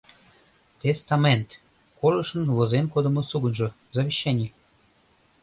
Тестамент — колышын возен кодымо сугыньжо, завещаний.